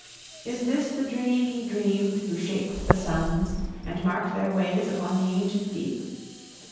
Is this the Dream He dreamed who shaped the suns And marked their ways upon the ancient deep?